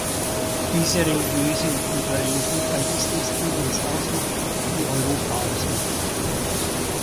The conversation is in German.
Diese religiöse und kulturelle Vielfalt ist es, die uns ausmacht, die Europa ausmacht.